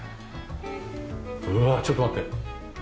うわあちょっと待って。